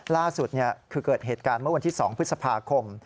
ล่าสุดคือเกิดเหตุการณ์เมื่อวันที่๒พฤษภาคม